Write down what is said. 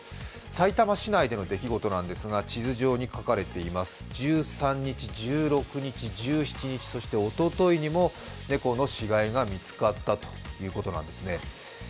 さいたま市内で見つかったということなんですが地図上に書かれています、１３日、１６日、１７日、そしておとといにも猫の死骸が見つかったということなんですね。